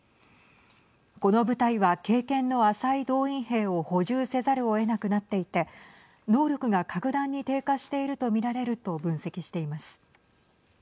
この部隊は経験の浅い動員兵を補充せざるをえなくなっていて能力が格段に低下していると見られると分析しています。